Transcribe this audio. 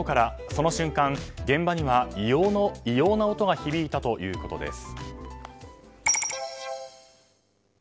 その瞬間、現場には異様な音が響いたということです。